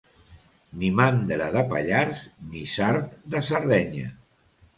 Ni mandra de Pallars, ni sard de Sardenya.